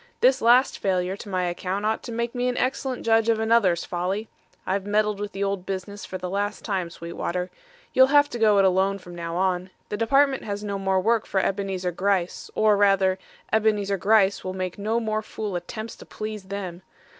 This last failure to my account ought to make me an excellent judge of another's folly. I've meddled with the old business for the last time, Sweetwater. You'll have to go it lone from now on. The Department has no more work for Ebenezar Gryce, or rather Ebenezar Gryce will make no more fool attempts to please them.